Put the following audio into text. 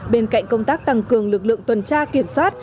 bên cạnh công tác tăng cường lực lượng tuần tra kiểm soát